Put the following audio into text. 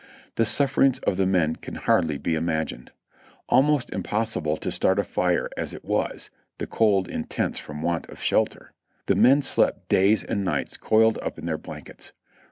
The sufferings of the men can hardly be imagined. Almost im possible to start a fire as it was (the cold intense from want of shelter), the men slept days and nights coiled up in their blankets.